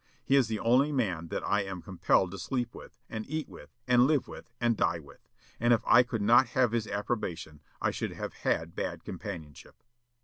He is the only man that I am compelled to sleep with, and eat with, and live with, and die with; and if I could not have his approbation I should have had bad companionship."